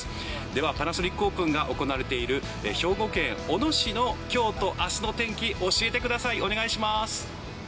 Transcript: では、パナソニックオープンが行われている、兵庫県小野市のきょうとあすの天気、教えてください、お願いします。